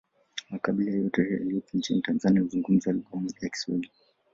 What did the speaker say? Makabila yote yaliyopo nchini Tanzania huzungumza lugha moja ya kiswahili